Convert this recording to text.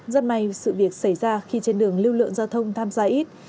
rất may sự việc xảy ra khi trên đường lưu lượng giao thông tham gia ít